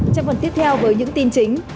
trong phần tiếp theo với những tin chính